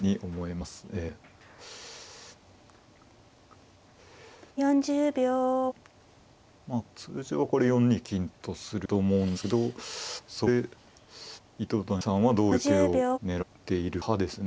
まあ通常はこれ４二金とすると思うんですけどそこで糸谷さんはどういう手を狙っているかですね。